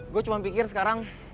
gua cuma pikir sekarang